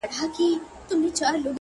چي په پسي به زړه اچوې;